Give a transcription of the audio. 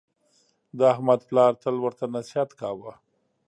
د احمد پلار تل ورته نصحت کاوه: